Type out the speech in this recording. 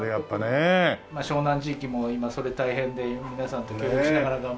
湘南地域も今それが大変で皆さんと協力しながら頑張っています。